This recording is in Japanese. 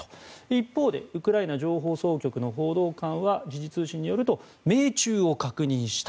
一方でウクライナ情報総局の報道官は時事通信によると命中を確認した。